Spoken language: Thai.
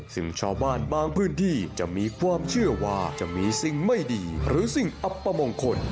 ซึ่งชาวบ้านบางพื้นที่จะมีความเชื่อว่าจะมีสิ่งไม่ดีหรือสิ่งอัปมงคล